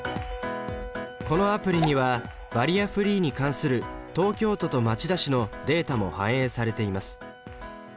このアプリにはバリアフリーに関する東京都と町田市のデータも反映されています。